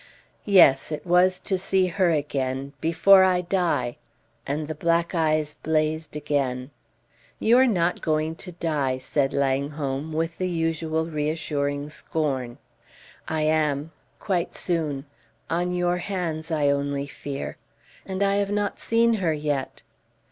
"Yes! It was to see her again before I die!" And the black eyes blazed again. "You are not going to die," said Langholm, with the usual reassuring scorn. "I am. Quite soon. On your hands, I only fear. And I have not seen her yet!"